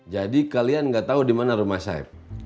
jadi kalian nggak tahu di mana rumah saeb